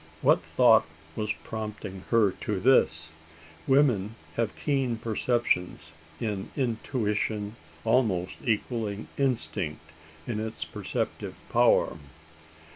What thought was prompting her to this? Women have keen perceptions in intuition almost equalling instinct in its perceptive power.